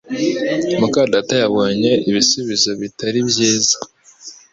muka data yabonye ibisubizo bitari byiza